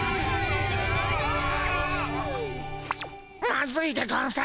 マズいでゴンス。